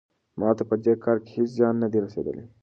ما ته په دې کار کې هیڅ زیان نه دی رسیدلی.